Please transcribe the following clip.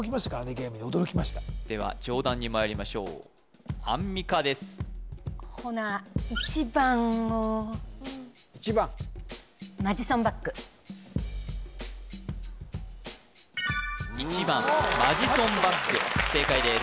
ゲームに驚きましたでは上段にまいりましょうアンミカですほな１番マジソンバッグ正解です